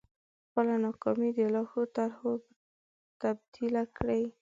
خپله ناکامي د لا ښو طرحو تبديله کړئ.